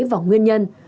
và nguyên nhân